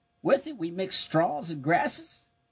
With it we mix straws and grasses.